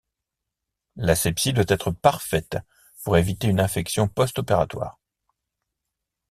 L'asepsie doit être parfaite pour éviter une infection post-opératoire.